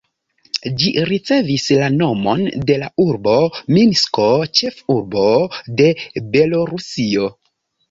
Ĝi ricevis la nomon de la urbo Minsko, ĉefurbo de Belorusio.